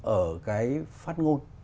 ở cái phát ngôn